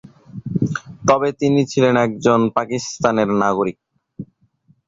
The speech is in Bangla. তবে তিনি ছিলেন একজন পাকিস্তানের নাগরিক।